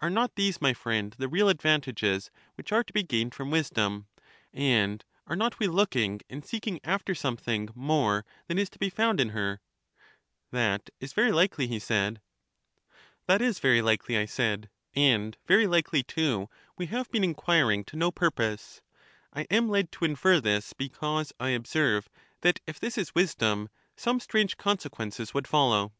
Are not these, my friend, the real advantages which are to be gained from wisdom? And are not we looking and seeking after something more than is to be found in her? That is very likely, he said. That is very likely, I said ; and very likely, too, we have been inquiring to no purpose. I am led to infer this, because I observe that if this is wisdom, some strange consequences would follow.